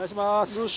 よし。